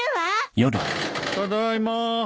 ただいま。